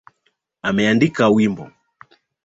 Ameandika wimbo